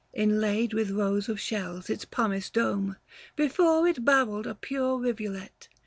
Inlaid with rows of shells its pumice dome, Before it babbled a pure rivulet.